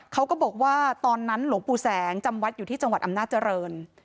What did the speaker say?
เขาก็บอกว่าตอนนั้นหลวงปู่แสงจำวัดอยู่ที่จังหวัดอำนาจริง